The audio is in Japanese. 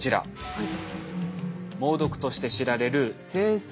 はい。